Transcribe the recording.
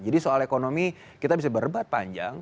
jadi soal ekonomi kita bisa berbat panjang